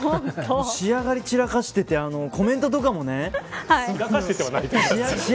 仕上がり散らかしていてコメントとかもね。